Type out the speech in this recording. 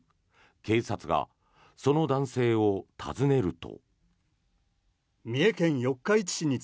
警察が、その男性を訪ねると。